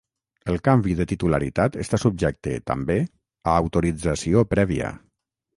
El canvi de titularitat està subjecte, també, a autorització prèvia.